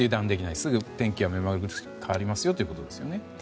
すぐ天気は、めまぐるしく変わりますよということですね。